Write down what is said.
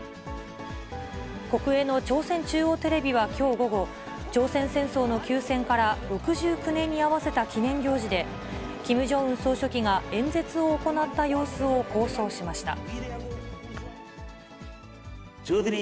国営の朝鮮中央テレビはきょう午後、朝鮮戦争の休戦から６９年に合わせた記念行事で、キム・ジョンウン総書記が演説を行った様子を放送しました。